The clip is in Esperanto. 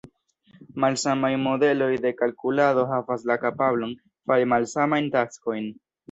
Malsamaj modeloj de kalkulado havas la kapablon fari malsamajn taskojn.